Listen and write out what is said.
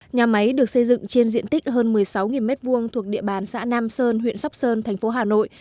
nhà máy được xây dựng trên diện tích hơn một mươi sáu m hai thuộc địa bàn xã nam sơn huyện sóc sơn thành phố hà nội